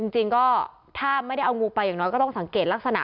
จริงก็ถ้าไม่ได้เอางูไปอย่างน้อยก็ต้องสังเกตลักษณะ